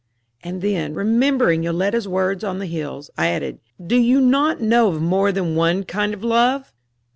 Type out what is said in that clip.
And then, remembering Yoletta's words on the hills, I added: "Do you not know of more than one kind of love?"